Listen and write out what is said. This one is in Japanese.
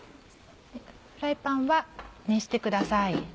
フライパンは熱してください。